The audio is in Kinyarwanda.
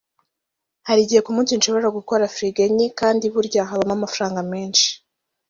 Hari igihe ku munsi nshobora gukora firigo enye kandi burya habamo amafaranga menshi